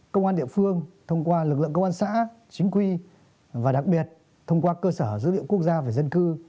công an địa phương thông qua lực lượng công an xã chính quy và đặc biệt thông qua cơ sở dữ liệu quốc gia về dân cư